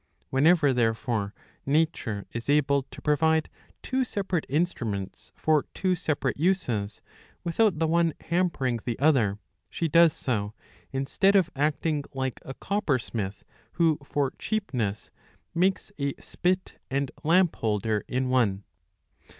Whenever, therefore, nature is able to provide two separate instruments for two separate uses, without the one hampering "the other, she does so, instead of acting like a coppersmith, who for cheapness makes a spit and lampholder in one.